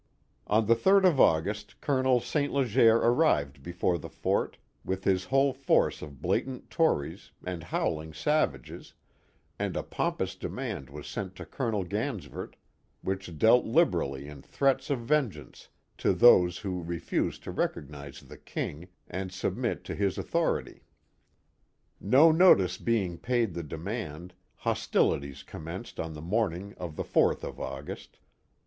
On the 3d of August, Colonel St. Leger arrived before the fort with his whole force of blatant Tories and howling sav ages, and a pompous demand was sent to Colonel Gansevoort which dealt liberally in threats of vengeance to those who refused to recognize the King and submit to his authority. No notice being paid the demand, hostilities commenced on the morning of the 4th of August.